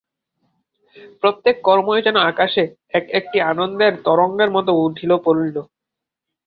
প্রত্যেক কর্মই যেন আকাশে এক-একটি আনন্দের তরঙ্গের মতো উঠিল পড়িল।